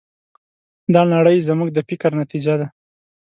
دا نړۍ زموږ د فکر نتیجه ده.